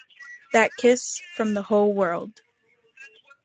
That kiss from the whole world!